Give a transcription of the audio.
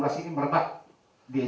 kurun waktu mulai februari dimatukan